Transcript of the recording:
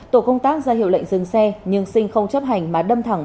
tổ công tác ra hiệu lệnh dừng xe nhưng sinh không chấp hành mà đâm thẳng